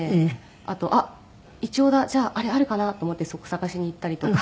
あと「あっイチョウだじゃああれあるかな」と思ってそこ探しに行ったりとか。